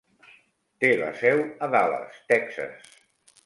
Té la seu a Dallas, Texas.